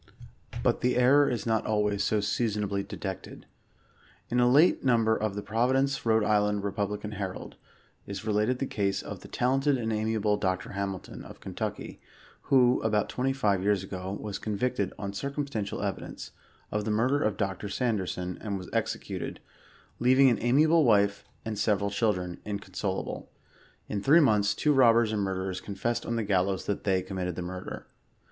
But the error is not always so seasonably detected* In a late number of the Providence, (R. I.) Republican Herald, is related the case of " the talented and amiable Dr» Hamilton, of Kentucky," who, about twenty five years ago, was convicted^ on circumstantial evidence, of the murder of Dr. Sanderson, and was executed, " leaving an amiable wife and several child* ren, inconsolable.— ^In three months, two robbers and murderers confessed on the gallows that they committed the murder."